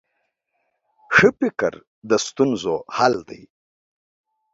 ښه فکر د ستونزو حل دی.